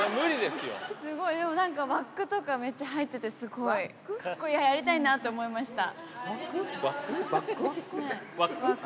すごい、でもなんかワックとか、めっちゃ入ってて、すごい、これ、やりたいなと思いました。